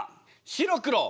白黒。